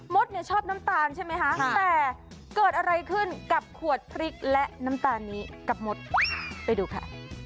ดเนี่ยชอบน้ำตาลใช่ไหมคะแต่เกิดอะไรขึ้นกับขวดพริกและน้ำตาลนี้กับมดไปดูค่ะ